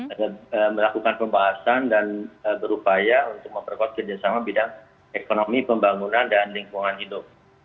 akan melakukan pembahasan dan berupaya untuk memperkuat kerjasama bidang ekonomi pembangunan dan lingkungan hidup